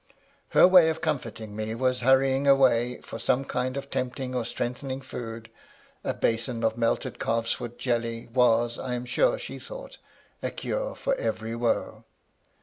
Her way of comforting me was hurrying away for some kind of tempting or strengthening food — a basin of melted calves' foot jelly was, I am sure she thought, a cure for every woe.